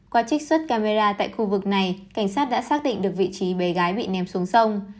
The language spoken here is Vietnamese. qua trích xuất camera tại khu vực này cảnh sát đã xác định được vị trí bé gái bị ném xuống sông